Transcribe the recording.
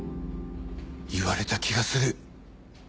言われた気がする。